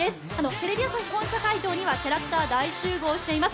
テレビ朝日本社会場にはキャラクター大集合しています。